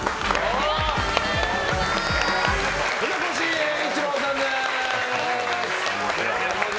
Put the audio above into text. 船越英一郎さんです！